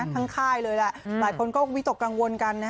ค่ายเลยแหละหลายคนก็วิตกกังวลกัน